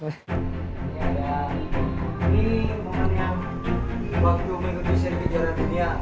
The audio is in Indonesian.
ini pokoknya bangku mengikuti seri kejuaraan dunia